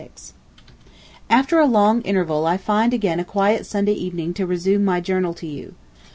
After a long interval I find again a quiet Sunday evening to resume my journal to you.